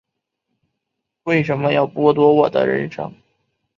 为什么要剥夺我的人生